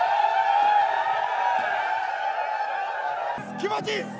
気持ちいいっす！